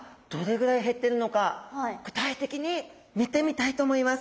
具体的に見てみたいと思います。